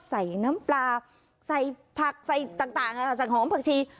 ใส่น้ำปลาใส่ผักใส่ต่างสั่งหอมผักชี